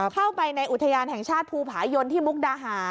เข้าไปในอุทยานแห่งชาติภูผายนที่มุกดาหาร